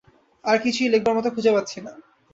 আর কিছুই লেখবার মত খুঁজে পাচ্ছি না।